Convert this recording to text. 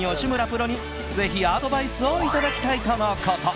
プロにぜひアドバイスをいただきたいとのこと。